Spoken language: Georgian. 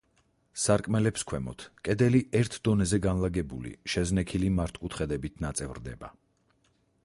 სარკმელებს ქვემოთ, კედელი, ერთ დონეზე განლაგებული, შეზნექილი მართკუთხედებით ნაწევრდება.